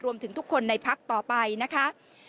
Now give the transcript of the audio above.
รวมถึงทุกคนในภักดิ์ต่อไปนะคะ